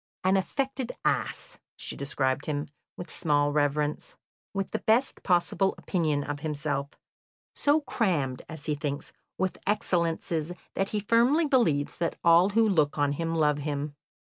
"An affected ass," she described him, with small reverence, "with the best possible opinion of himself; so crammed, as he thinks, with excellences that he firmly believes that all who look on him love him."